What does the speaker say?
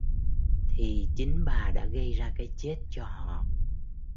Thì chính bà đã gây ra cái chết cho họ